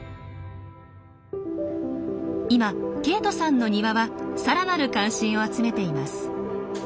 今ケイトさんの庭はさらなる関心を集めています。